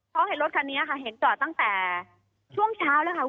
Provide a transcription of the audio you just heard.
เพราะเห็นรถคันนี้ค่ะเห็นจอดตั้งแต่ช่วงเช้าแล้วค่ะ